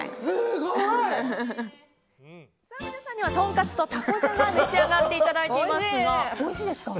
皆さんにはとんかつとたこじゃがを召し上がっていただいていますがおいしいですか？